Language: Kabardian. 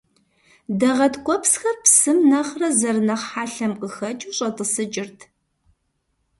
Дагъэ ткӏуэпсхэр псым нэхърэ зэрынэхъ хьэлъэм къыхэкӏыу щӏэтӏысыкӏырт.